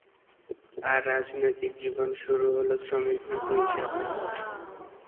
আর রাজনৈতিক জীবন শুরু হলো শ্রমিক নেতা হিসাবে।